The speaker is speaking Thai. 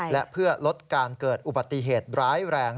และเพื่อลดการเกิดอุบัติเหตุร้ายแรง